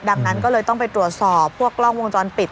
ดังนั้นก็เลยต้องไปตรวจสอบพวกกล้องวงจรปิด